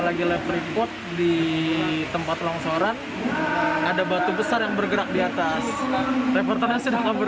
lagi lepon di tempat longsoran ada batu besar yang bergerak di atas reporternya sudah kabur